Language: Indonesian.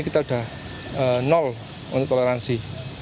kita sudah nol untuk toleransi